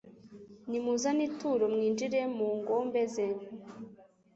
Nimuzane ituro mwinjire mu ngombe ze